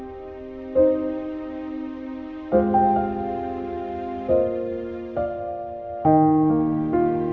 ya tapi dia masih sedang berada di dalam keadaan yang teruk